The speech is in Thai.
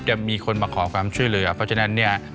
จะมีคนมาขอความช่วยเหลือเพราะฉะนั้นเนี่ย